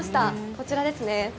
こちらですね。